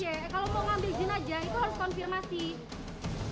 kalau mau ngambil jenazah itu harus konfirmasi